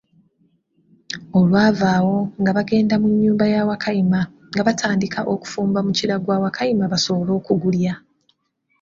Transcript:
Olwava awo nga bagenda mu nyumba ya Wakayima nga batandika okufumba mukira gwa Wankima basobole okugulya.